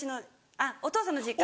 あっお父さんの実家。